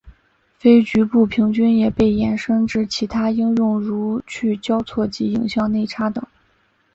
非局部平均也被延伸至其他应用如去交错及影像内插等。